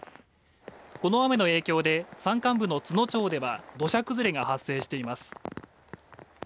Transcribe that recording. この雨の影響で山間部の津野町では土砂崩れが発生しています